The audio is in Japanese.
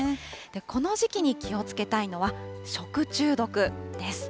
この時期に気をつけたいのは、食中毒です。